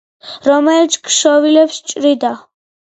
რომელიც ქსოვილებს ჭრიდა